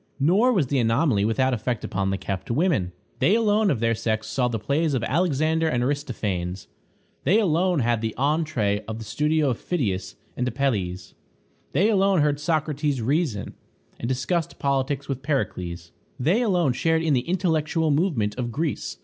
Nor was the anomaly without effect upon the kept women. They alone of their sex saw the plays of Alexander and Aristophanes; they alone had the entrée of the studio of Phidias and Apelles; they alone heard Socrates reason, and discussed politics with Pericles; they alone shared in the intellectual movement of Greece.